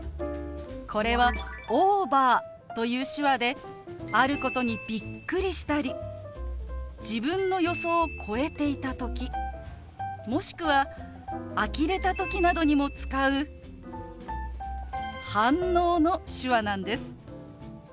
これは「オーバー」という手話であることにびっくりしたり自分の予想を超えていた時もしくはあきれた時などにも使う反応の手話なんです。